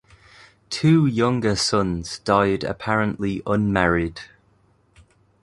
Two younger sons died apparently unmarried.